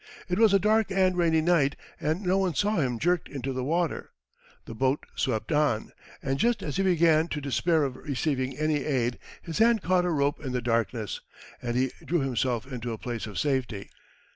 It was a dark and rainy night, and no one saw him jerked into the water. The boat swept on, and just as he began to despair of receiving any aid, his hand caught a rope in the darkness, and he drew himself into a place of safety.